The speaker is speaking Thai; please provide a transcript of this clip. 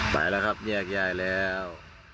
ไปแล้วครับแยกย้ายแล้ว